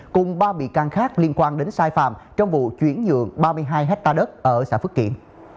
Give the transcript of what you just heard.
cùng ba bị can khác liên quan đến sai phạm trong vụ chuyển nhượng ba mươi hai hectare đất ở xã phước kiển